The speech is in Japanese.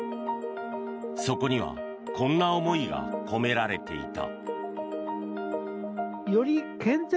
そこにはこんな思いが込められていた。